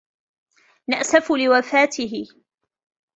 نأسف لوفاته